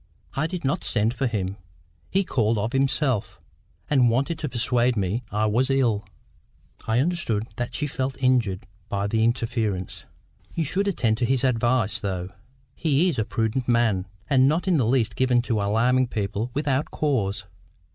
I did not send for him. He called of himself, and wanted to persuade me I was ill." I understood that she felt injured by his interference. "You should attend to his advice, though. He is a prudent man, and not in the least given to alarming people without cause."